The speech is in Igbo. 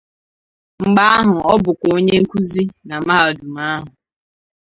Mgbe ahụ ọ bụkwa onye nkuzi na mahadum ahụ.